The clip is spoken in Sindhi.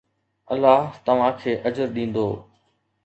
الله توهان کي اجر ڏيندو